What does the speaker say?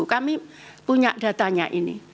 kami punya datanya ini